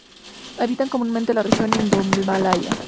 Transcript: Habitan comúnmente la región indomalaya.